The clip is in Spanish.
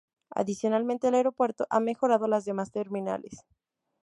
Adicionalmente, el aeropuerto ha mejorado las demás terminales.